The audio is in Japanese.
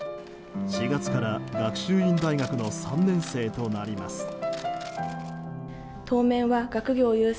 ４月から学習院大学の３年生となります。